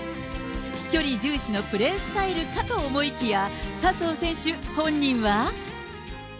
飛距離重視プレースタイルかと思いきや、笹生選手本人は。